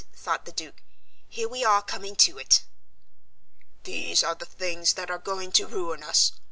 thought the Duke, here we are coming to it), "these are the things that are going to ruin us.